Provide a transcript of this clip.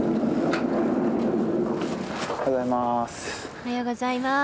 おはようございます。